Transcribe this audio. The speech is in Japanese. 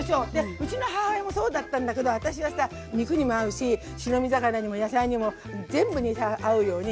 うちの母親もそうだったんだけど私はさ肉にも合うし白身魚にも野菜にも全部にさ合うように。